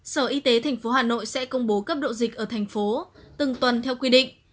sở y tế tp hà nội sẽ công bố cấp độ dịch ở thành phố từng tuần theo quy định